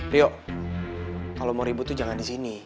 rio kalo mau ribut tuh jangan disini